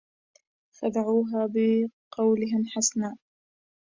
خدعوها بقولهم حسناء